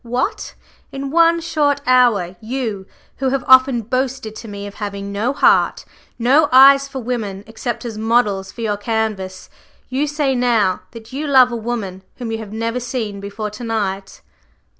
What! in one short hour, you who have often boasted to me of having no heart, no eyes for women except as models for your canvas, you say now that you love a woman whom you have never seen before to night!"